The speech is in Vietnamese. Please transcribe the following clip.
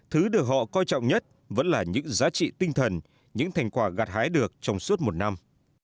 thứ được họ coi trọng nhất vẫn là những giá trị tinh thần những thành quả gạt hái được trong suốt một năm